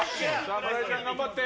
村井ちゃん頑張って！